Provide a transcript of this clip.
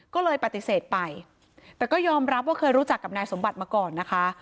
ก็เลยปฏิเสธไปแต่ก็ยอมรับว่าเคยรู้จักกับนายสมบัติมาก่อนนะคะ